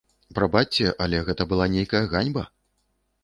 Прабачце, але гэта была нейкая ганьба!